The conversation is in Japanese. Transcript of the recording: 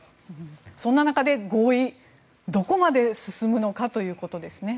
そんな中で合意はどこまで進むのかということですね。